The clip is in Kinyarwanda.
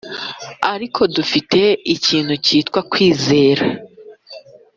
ariko dufite ikintu cyitwa kwizera.